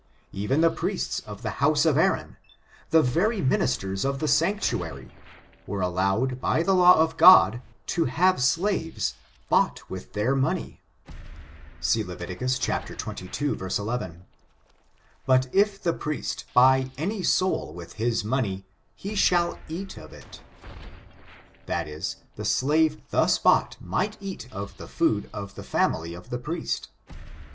Even the priests of the house of Aaron — the very ministers of the sanctua ry— ^were allowed, by the law of God, to have slaves, bought with their money. See Levit. xxii, 1 1 : "Bm/ if the priest buy any soul wUh his money j he shall eat of it :" that is, the slave thus bought might eat of the food of the family of the priest.